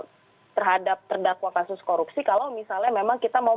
tentang hal penjeraan terhadap terdakwa kasus korupsi kalau misalnya memang kita mau